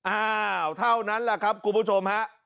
อ้าวเท่านั้นแหละครับคุณผู้ชมฮะ